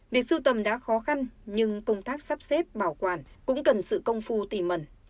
việc sưu tầm đã khó khăn nhưng công tác sắp xếp bảo quản cũng cần sự công phu tỉ mẩn